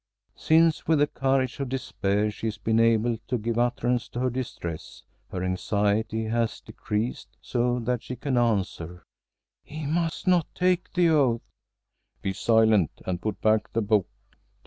Since, with the courage of despair, she has been able to give utterance to her distress, her anxiety has decreased so that she can answer, "He must not take the oath!" "Be silent, and put back the book!"